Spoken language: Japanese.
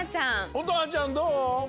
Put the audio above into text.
おとはちゃんどう？